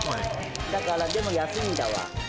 だから、でも安いんだわ。